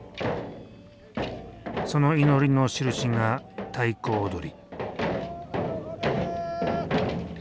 その祈りのしるしが太鼓踊り。